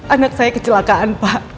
anak saya kecelakaan pak